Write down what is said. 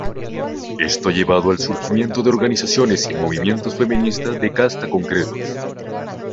Esto ha llevado al surgimiento de organizaciones y movimientos feministas de casta concretos